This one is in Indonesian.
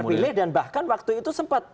memilih dan bahkan waktu itu sempat